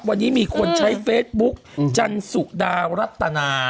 วันนี้มีคนใช้เฟซบุ๊กจันสุดารัตนา